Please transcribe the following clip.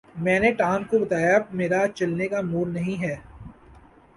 میں نے ٹام کو بتایا میرا چلنے کا موڈ نہیں ہے